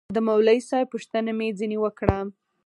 د مولوي صاحب پوښتنه مې ځنې وكړه.